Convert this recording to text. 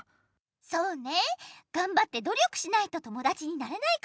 そうねがんばって努力しないと友だちになれないかもね。